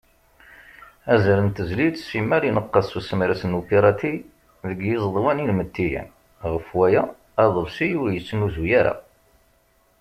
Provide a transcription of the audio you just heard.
Azal n tezlit simmal ineqqes s usemres n upirati deg yiẓeḍwan inmettiyen, ɣef waya, aḍebsi ur yettnuzu ara.